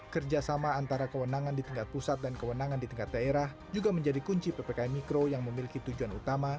kerjasama antara kewenangan di tingkat pusat dan kewenangan di tingkat daerah juga menjadi kunci ppkm mikro yang memiliki tujuan utama